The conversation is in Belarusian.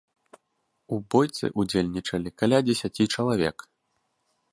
У бойцы ўдзельнічалі каля дзесяці чалавек.